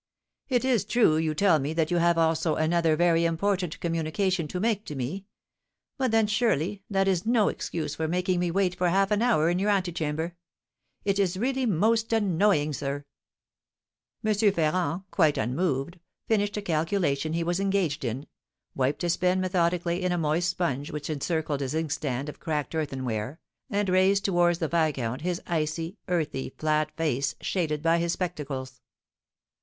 It is true you tell me that you have also another very important communication to make to me; but then, surely, that is no excuse for making me wait for half an hour in your antechamber: it is really most annoying, sir!" M. Ferrand, quite unmoved, finished a calculation he was engaged in, wiped his pen methodically in a moist sponge which encircled his inkstand of cracked earthenware, and raised towards the viscount his icy, earthy, flat face, shaded by his spectacles.